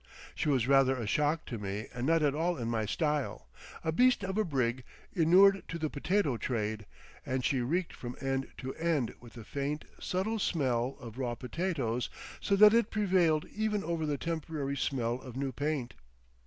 She was rather a shock to me and not at all in my style, a beast of a brig inured to the potato trade, and she reeked from end to end with the faint, subtle smell of raw potatoes so that it prevailed even over the temporary smell of new paint.